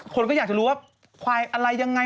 คนก็อยากจะรู้ว่าควายอะไรยังไง